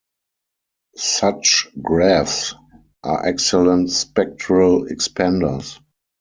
Such graphs are excellent spectral expanders.